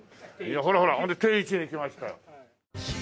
ほらほらほんで定位置に来ましたよ。